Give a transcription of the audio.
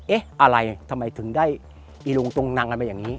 เอ๊ะอะไรทำไมถึงได้หลุงตรงนั่งอันนี้